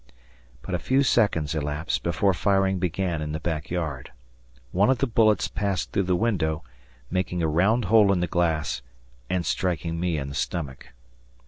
But a few seconds elapsed before firing began in the back yard. One of the bullets passed through the window, making a round hole in the glass and striking me in the stomach.